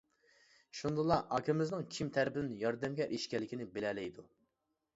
شۇندىلا ئاكىمىزنىڭ كىم تەرىپىدىن ياردەمگە ئېرىشكەنلىكىنى بىلەلەيدۇ.